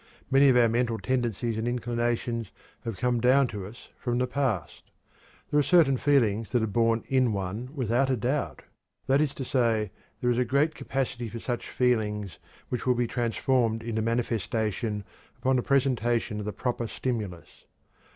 Many of our mental tendencies and inclinations have come down to us from the past. There are certain feelings that are born in one, without a doubt; that is to say, there is a great capacity for such feelings which will be transformed into manifestation upon the presentation of the proper stimulus.